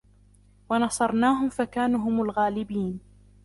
ونصرناهم فكانوا هم الغالبين